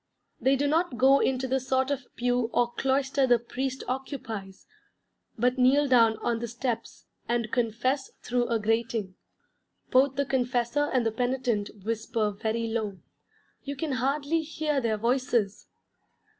They do not go into the sort of pew or cloister the priest occupies, but kneel down on the steps and confess through a grating. Both the confessor and the penitent whisper very low: you can hardly hear their voices.